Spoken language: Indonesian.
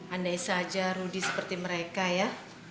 andai saja rudy seperti mereka ya